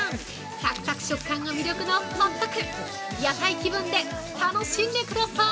サクサク食感が魅力のホットク屋台気分で楽しんでください！